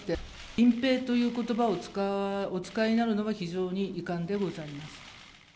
隠蔽ということばをお使いになるのは、非常に遺憾でございます。